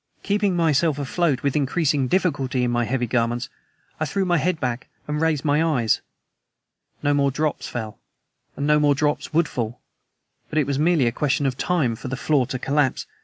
Keeping myself afloat with increasing difficulty in my heavy garments, I threw my head back and raised my eyes. No more drops fell, and no more drops would fall; but it was merely a question of time for the floor to collapse.